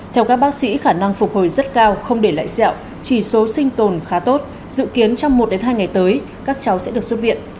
theo các bác sĩ khả năng phục hồi rất cao không để lại sẹo chỉ số sinh tồn khá tốt dự kiến trong một hai ngày tới các cháu sẽ được xuất viện